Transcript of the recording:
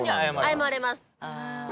謝れます